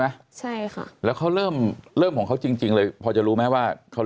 ใช่ค่ะแล้วเขาเริ่มเริ่มของเขาจริงจริงเลยพอจะรู้ไหมว่าเขา